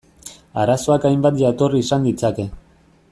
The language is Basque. Arazoak hainbat jatorri izan ditzake.